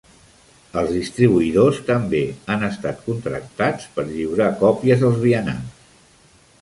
Els distribuïdors també han estat contractats per lliurar còpies als vianants.